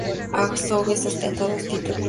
Azogues ostenta dos títulos.